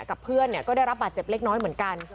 กับเพื่อนก็ได้รับบาดเจ็บเล็กน้อยเหมือนกัน